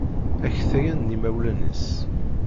Aktayen n yimawlan-is.